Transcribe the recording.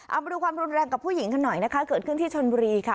เอามาดูความรุนแรงกับผู้หญิงกันหน่อยนะคะเกิดขึ้นที่ชนบุรีค่ะ